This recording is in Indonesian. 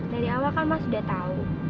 dari awal kan mas udah tau